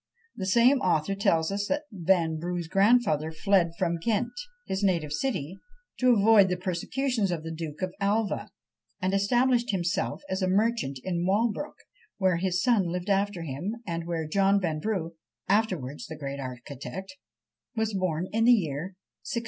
The same author tells us that Vanbrugh's grandfather fled from Ghent, his native city, to avoid the persecutions of the Duke of Alva, and established himself as a merchant in Walbrook, where his son lived after him, and where John Vanbrugh (afterwards the great architect) was born in the year 1666.